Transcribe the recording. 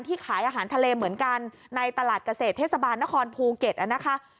ขายอาหารทะเลเหมือนกันในตลาดเกษตรเทศบาลนครภูเก็ตนะคะ